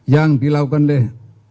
yang dilakukan oleh